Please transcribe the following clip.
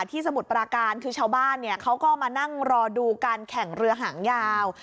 สมุทรปราการคือชาวบ้านเนี่ยเขาก็มานั่งรอดูการแข่งเรือหางยาว